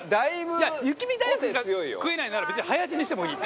雪見だいふくが食えないなら別に早死にしてもいい！